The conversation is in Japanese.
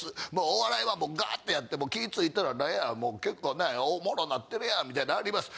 お笑いはもうガ！ってやってもう気ぃついたらなんやもう結構なんやおもろなってるやんみたいなります。